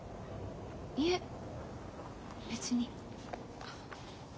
いえ別に。